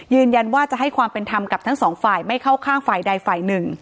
ยืนยันว่าจะให้ความเป็นธรรมกับทั้งสองฝ่ายไม่เข้าข้างฝ่ายใดฝ่ายหนึ่ง